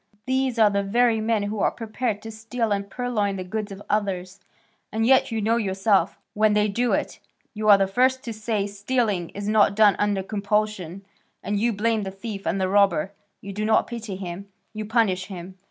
These are the very men who are prepared to steal and purloin the goods of others, and yet you know yourself, when they do it, you are the first to say stealing is not done under compulsion, and you blame the thief and the robber; you do not pity him, you punish him.